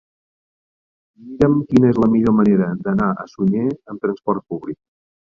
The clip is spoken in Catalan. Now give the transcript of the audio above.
Mira'm quina és la millor manera d'anar a Sunyer amb trasport públic.